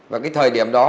và cái thời điểm đó